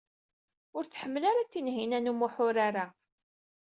Ur tḥemmel ara Tinhinan u Muḥ urar-a.